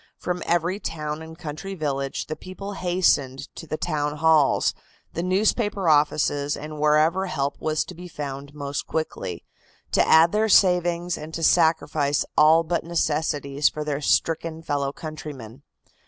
From every town and country village the people hastened to the Town Halls, the newspaper offices and wherever help was to be found most quickly, to add their savings and to sacrifice all but necessities for their stricken fellow countrymen.